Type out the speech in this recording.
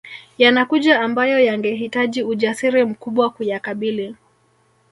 Yanakuja ambayo yangehitaji ujasiri mkubwa kuyakabili